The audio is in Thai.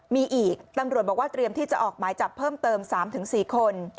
มีอีกตำรวจบอกว่าเตรียมที่จะออกหมายจับเพิ่มเติม๓๔คน